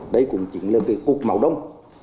đây cũng chính là một cuộc màu đông